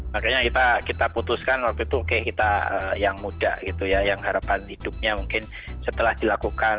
makanya kita putuskan waktu itu oke kita yang muda gitu ya yang harapan hidupnya mungkin setelah dilakukan